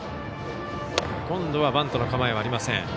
今度はバントの構えはありません。